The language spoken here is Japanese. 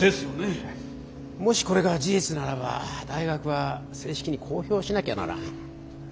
もしこれが事実ならば大学は正式に公表しなきゃならん。